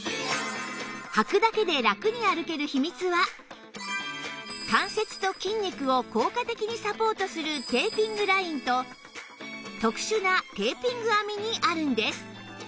はくだけでラクに歩ける秘密は関節と筋肉を効果的にサポートするテーピングラインと特殊なテーピング編みにあるんです